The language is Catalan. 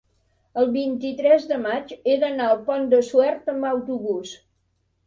el vint-i-tres de maig he d'anar al Pont de Suert amb autobús.